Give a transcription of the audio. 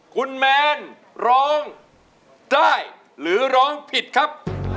คุณแมนร้องได้หรือร้องผิดครับ